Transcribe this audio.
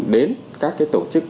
đến các cái tổ chức